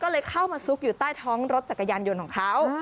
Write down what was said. ก็มาซูกอยู่ใต้รถจักรยานโยนเขา